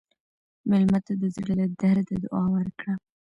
مېلمه ته د زړه له درده دعا ورکړه.